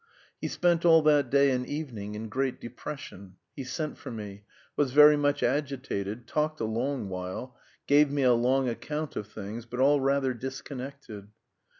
He spent all that day and evening in great depression, he sent for me, was very much agitated, talked a long while, gave me a long account of things, but all rather disconnected.